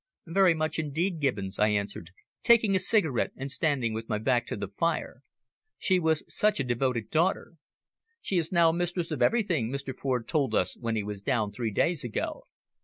"Very much indeed, Gibbons," I answered, taking a cigarette and standing with my back to the fire. "She was such a devoted daughter." "She is now mistress of everything, Mr. Ford told us when he was down three days ago."